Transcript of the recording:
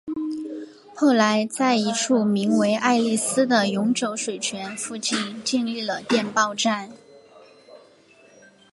后来在一处名为爱丽斯的永久水泉附近建立了电报站。